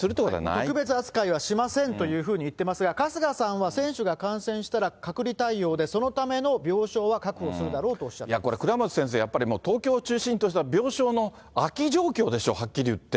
特別扱いはしませんというふうに言ってますが、春日さんは、選手が感染したら隔離対応で、そのための病床は確保するだろうとこれ、倉持先生、東京を中心とした病床の空き状況でしょ、はっきり言って。